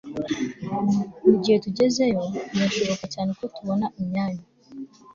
mugihe tugezeyo, birashoboka cyane ko tubona imyanya